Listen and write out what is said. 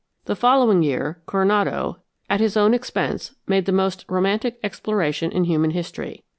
The following year Coronado, at his own expense, made the most romantic exploration in human history.